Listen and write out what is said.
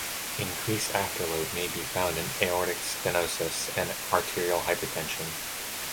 Increased afterload may be found in aortic stenosis and arterial hypertension.